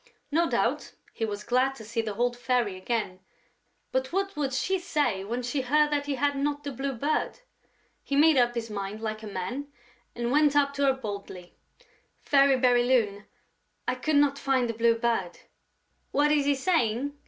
No doubt, he was glad to see the old Fairy again; but what would she say when she heard that he had not the Blue Bird? He made up his mind like a man and went up to her boldly: "Fairy Bérylune, I could not find the Blue Bird...." "What is he saying?"